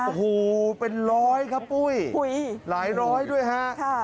โอ้โหเป็นร้อยครับปุ้ยหลายร้อยด้วยฮะ